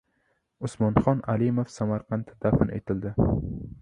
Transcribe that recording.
Usmonxon Alimov Samarqandda dafn etildi